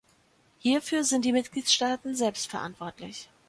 Hierfür sind die Mitgliedstaaten selbst verantwortlich.